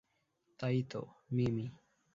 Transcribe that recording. তাইতো, মিমি।